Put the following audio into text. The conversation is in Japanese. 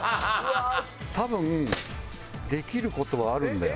多分できる事はあるんだよ。